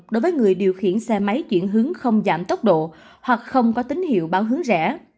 đối với người điều khiển xe máy chuyển hướng không giảm tốc độ hoặc không có tín hiệu báo hướng rẻ